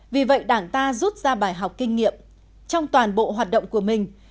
vì vậy đảng ta rút ra bài học kinh nghiệm trong toàn bộ hoạt động của mình